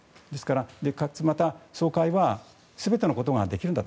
かつ、また総会は全てのことができるんだと。